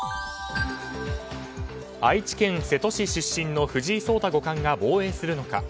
愛知県瀬戸市出身の藤井聡太五冠が防衛するのか。